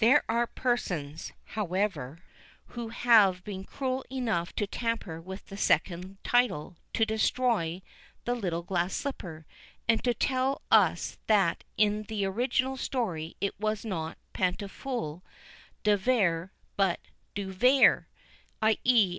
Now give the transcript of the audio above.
There are persons, however, who have been cruel enough to tamper with the second title, to destroy "the little glass slipper," and tell us that in the original story it was not a pantoufle "de verre," but "de vair" _i.e.